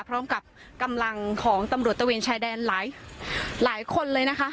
พร้อมกับกำลังของตำรวจตะเวนชายแดนหลายคนเลยนะคะ